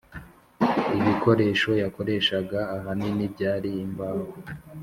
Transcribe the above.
Ibikoresho yakoreshaga ahanini byari imbaho